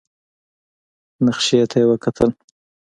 نخشې ته يې وکتل.